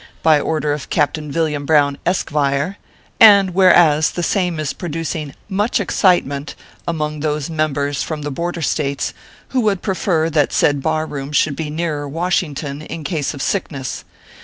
: By order of CAPTAIN VILLIAM BROWN, Eskevire/ " And whereas, the same is producing much excite ment among those members from the Border States who would prefer that said bar room should be nearer Washington, in case of sickness.